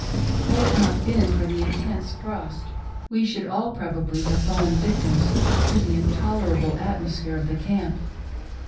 Had it not been for the intense frost, we should all probably have fallen victims to the intolerable atmosphere of the camp.